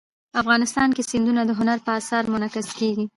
افغانستان کې سیندونه د هنر په اثار کې منعکس کېږي.